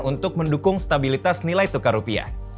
untuk mendukung stabilitas nilai tukar rupiah